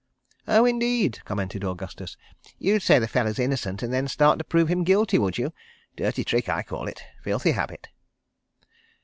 "Oh, indeed!" commented Augustus. "You'd say the feller's innocent and then start in to prove him guilty, would you? ... Dirty trick, I call it. Filthy habit."